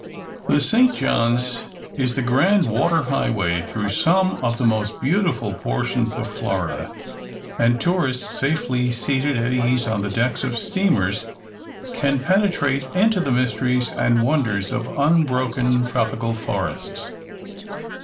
The St. John's is the grand water highway through some of the most beautiful portions of Florida; and tourists, safely seated at ease on the decks of steamers, can penetrate into the mysteries and wonders of unbroken tropical forests.